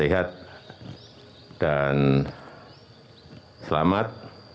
dan sehat dan selamat